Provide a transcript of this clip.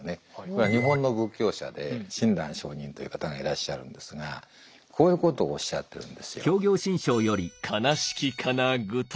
これは日本の仏教者で親鸞上人という方がいらっしゃるんですがこういうことをおっしゃってるんですよ。